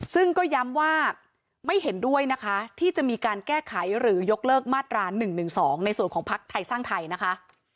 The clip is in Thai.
ซึ่งก็ย้ำว่าไม่เห็นด้วยนะคะที่จะมีการแก้ไขหรือยกเลิกมาตรา๑๑๒ในส่วนของพักไทยสร้างไทยนะคะ